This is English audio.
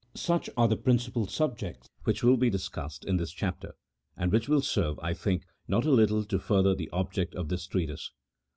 Such are the principal subjects which will be discussed in this chapter, and which will serve, I think, not a little to further the object of this treatise.